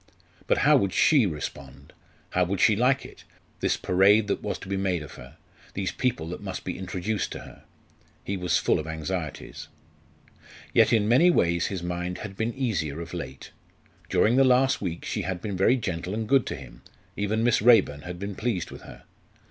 But how would she respond? How would she like it this parade that was to be made of her these people that must be introduced to her? He was full of anxieties. Yet in many ways his mind had been easier of late. During the last week she had been very gentle and good to him even Miss Raeburn had been pleased with her.